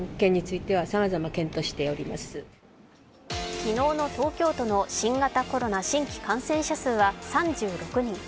昨日の東京都の新型コロナ新規感染者数は３６人。